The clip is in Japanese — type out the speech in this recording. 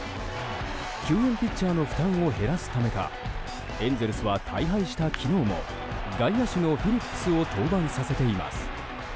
救援ピッチャーの負担を減らすためかエンゼルスは、大敗した昨日も外野手のフィリップスを登板させています。